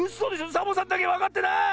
⁉サボさんだけわかってない！